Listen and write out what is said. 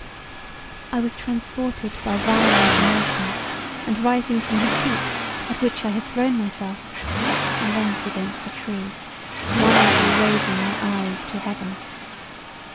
I was transported by violent emotion, and rising from his feet, at which I had thrown myself, I leant against a tree, wildly raising my eyes to heaven.